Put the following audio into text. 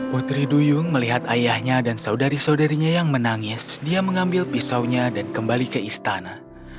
putri duyung melihat ayahnya dan saudari saudarinya yang menangis dia mengambil pisaunya dan kembali ke istana